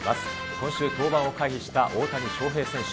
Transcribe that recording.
今週、登板を回避した大谷翔平選手。